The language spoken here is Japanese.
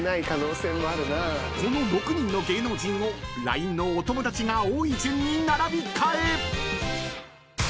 ［この６人の芸能人をＬＩＮＥのお友だちが多い順に並び替え］